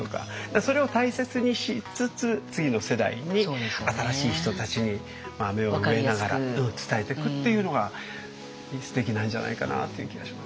それを大切にしつつ次の世代に新しい人たちに芽を植えながら伝えてくっていうのがすてきなんじゃないかなっていう気がします。